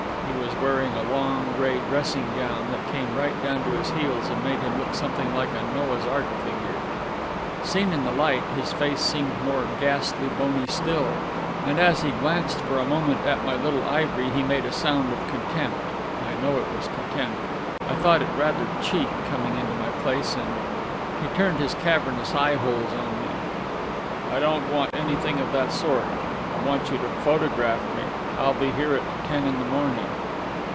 He was wearing a long, grey dressing gown that came right down to his heels and made him look something like a Noah's ark figure. Seen in the light, his face seemed more ghastly bony still; and as he glanced for a moment at my little ivory he made a sound of contempt I know it was contempt. I thought it rather cheek, coming into my place and He turned his cavernous eyeholes on me. "I don't want anything of that sort. I want you to photograph me. I'll be here at ten in the morning."